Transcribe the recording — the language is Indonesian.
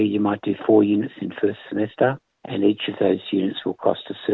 tapi jika tahun depan anda hanya mengambil satu kursus